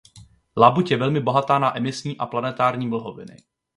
Labuť je velmi bohatá na emisní a planetární mlhoviny.